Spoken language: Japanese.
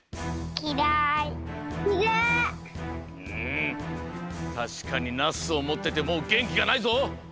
うんたしかにナスをもっててもうげんきがないぞ。